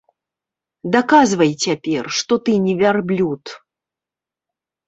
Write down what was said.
Даказвай цяпер, што ты не вярблюд.